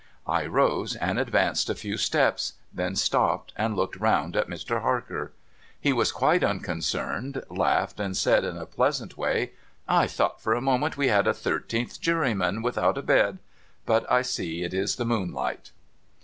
I rose, and advanced a few steps ; then stopped, and looked round at Mr. Harker. He was quite uncon cerned, laughed, and said in a pleasant way, ' I thought for a moment we had a thirteenth juryman, without a bed. But 1 see it is the moonlight.'